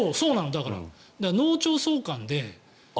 だから、脳腸相関で。